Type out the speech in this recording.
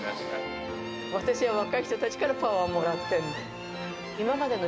私は若い人たちからパワーをもらってるの。